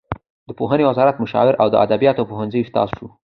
د پوهنې وزارت مشاور او د ادبیاتو پوهنځي استاد شو.